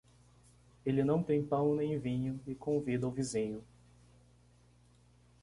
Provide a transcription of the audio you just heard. Ele não tem pão nem vinho e convida o vizinho.